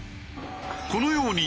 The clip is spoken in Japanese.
このように